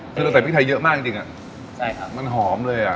คือเราใส่พริกไทยเยอะมากจริงจริงอ่ะใช่ครับมันหอมเลยอ่ะ